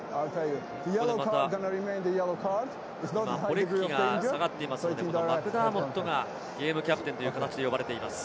また今ポレクキが下がっていますので、マクダーモットがゲームキャプテンという形で呼ばれています。